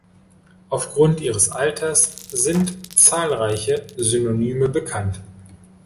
Aufgrund ihres Alters sind zahlreiche Synonyme bekannt.